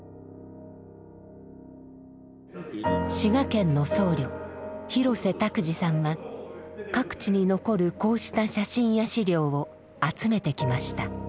滋賀県の僧侶・廣瀬卓爾さんは各地に残るこうした写真や資料を集めてきました。